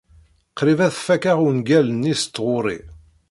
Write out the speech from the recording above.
Qrib ad fakeɣ ungal-nni s tɣuri.